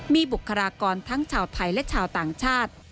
มีบุคลากรทั้งชาวไทยและชาวต่างชาติ